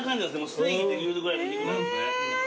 ステーキって言えるぐらいの肉なんですね。